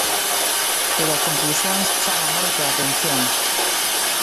Pero as conclusións chaman moito a atención.